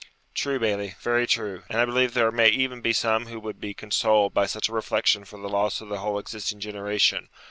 True, Bailie, very true; and I believe there may even be some who would be consoled by such a reflection for the loss of the whole existing generation.